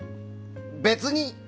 別に。